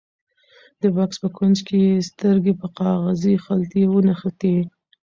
د بکس په کونج کې یې سترګې په کاغذي خلطې ونښتې.